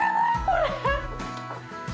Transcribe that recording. これ。